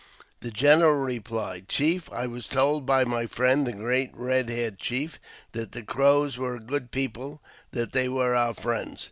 The general replied, Chief, I was told by my friend, the great Eed haired Chief, that the Crows were a good people ; that they were our friends.